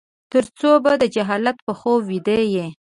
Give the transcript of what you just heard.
ترڅو به د جهالت په خوب ويده يې ؟